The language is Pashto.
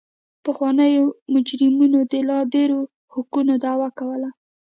پخوانیو مجرمینو د لا ډېرو حقونو دعوه کوله.